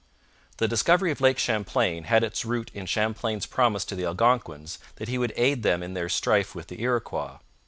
The discovery of Lake Champlain had its root in Champlain's promise to the Algonquins that he would aid them in their strife with the Iroquois.